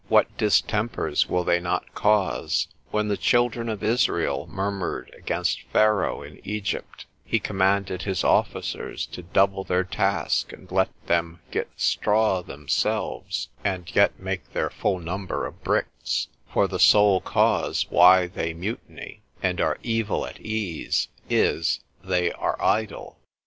what distempers will they not cause? when the children of Israel murmured against Pharaoh in Egypt, he commanded his officers to double their task, and let them get straw themselves, and yet make their full number of bricks; for the sole cause why they mutiny, and are evil at ease, is, they are idle.